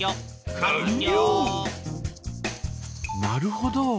なるほど。